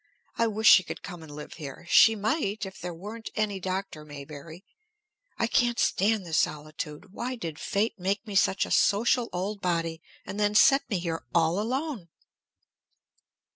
I wish she could come and live here. She might, if there weren't any Dr. Maybury. I can't stand this solitude. Why did fate make me such a social old body, and then set me here all alone?"